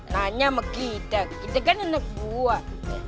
nanya sama kita kita kan anak buah